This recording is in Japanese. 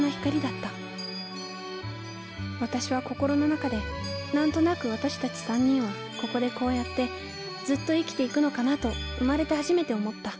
私は心の中で何となく私たち３人はここでこうやってずっと生きていくのかなと生まれて初めて思った。